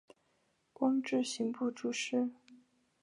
官至刑部主事。